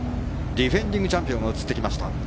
ディフェンディングチャンピオンが映ってきました。